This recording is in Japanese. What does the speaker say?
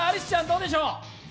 どうでしょう？